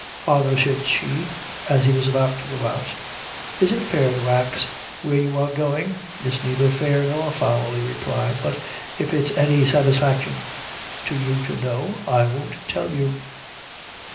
"Father," said she, as he was about to go out, "is it fair to ax where you are going?" "It's neither fair nor foul," he replied; "but if it's any satisfaction to you to know, I won't tell you."